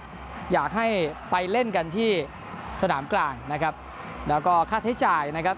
ก็อยากให้ไปเล่นกันที่สนามกลางนะครับแล้วก็ค่าใช้จ่ายนะครับ